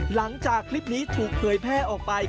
หลังจากคลิปนี้ถูกเผยแพร่ออกไป